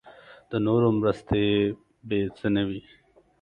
د نورو مرستې بې څه نه وي.